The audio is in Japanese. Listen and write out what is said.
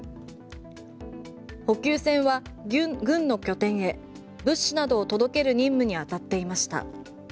補給船は軍の拠点へ物資などを届ける任務にあたっていました。